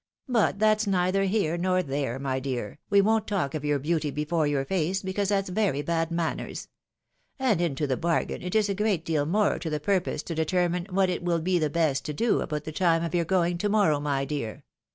" But that's neither here nor there, my dear, we won't talk of your beauty before your fece, because that's very bad manners ; and into the bargain it is a great deal more to the purpose to determine what it wiU be the best to do about the time of your going to morrow, my dear.